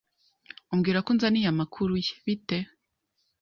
umbwira ko unzaniye amakuru ye bite?”